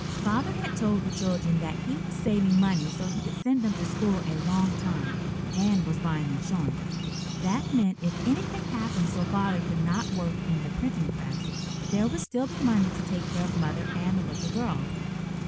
Father had told the children that he was saving money so he could send them to school a long time, and was buying insurance. That meant if anything happened so Father could not work in the printing press, there would still be money to take care of Mother and the little girls.